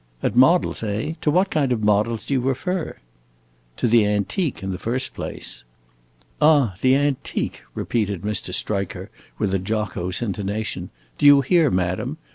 "At models, eh? To what kind of models do you refer?" "To the antique, in the first place." "Ah, the antique," repeated Mr. Striker, with a jocose intonation. "Do you hear, madam?